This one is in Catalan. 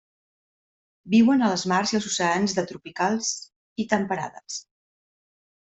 Viuen a les mars i oceans de tropicals i temperades.